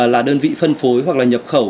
là đơn vị phân phối hoặc là nhập khẩu